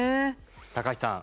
高橋さん。